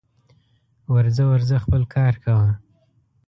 ورځه ورځه خپل کار کوه